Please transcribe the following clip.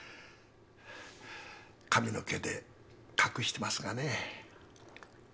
髪の毛で隠してますがね。